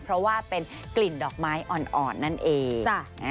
เพราะว่าเป็นกลิ่นดอกไม้อ่อนนั่นเอง